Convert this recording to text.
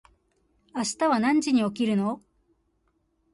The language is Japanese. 明日は何時に起きるの？